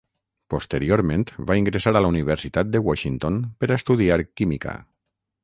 Posteriorment va ingressar a la Universitat de Washington per a estudiar química.